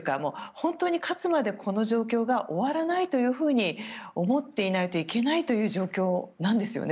本当に勝つまで、この状況が終わらないというふうに思っていないといけないという状況なんですよね。